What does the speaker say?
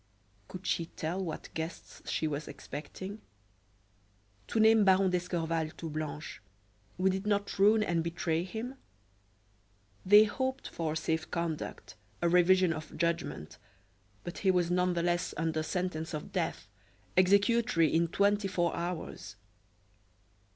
Could she tell what guests she was expecting? To name Baron d'Escorval to Blanche, would it not ruin and betray him? They hoped for a safe conduct, a revision of judgment, but he was none the less under sentence of death, executory in twenty four hours.